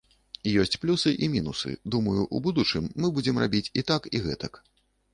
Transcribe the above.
Ёсць плюсы і мінусы, думаю, у будучым мы будзем рабіць і так, і гэтак.